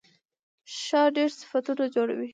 شا ډېر صفتونه جوړوي.